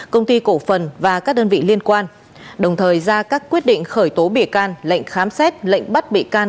công ty cổ phần và các đơn vị liên quan đồng thời ra các quyết định khởi tố bị can lệnh khám xét lệnh bắt bị can